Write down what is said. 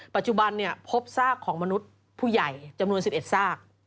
ปัจจุบันพบซากของมนุษย์ผู้ใหญ่จำนวน๑๑ซาก